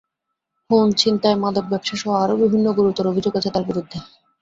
খুন, ছিনতাই, মাদক ব্যবসাসহ আরও বিভিন্ন গুরুতর অভিযোগ আছে তাঁর বিরুদ্ধে।